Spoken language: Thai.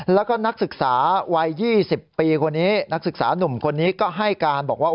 แล้วก็นักศึกษาวัย๒๐ปีคนนี้นักศึกษานุ่มคนนี้ก็ให้การบอกว่า